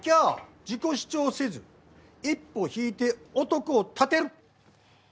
自己主張せず一歩引いて男を立てる。